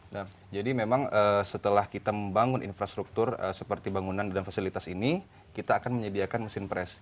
nah jadi memang setelah kita membangun infrastruktur seperti bangunan dan fasilitas ini kita akan menyediakan mesin pres